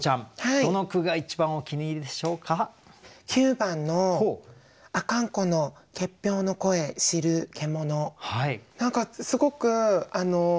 何か「阿寒湖の結氷の声知る獣」。